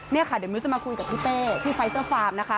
เนี่ยค่ะเดี๋ยวมิ้วจะมาคุยกับพี่เต้ที่ไฟเตอร์ฟาร์มนะคะ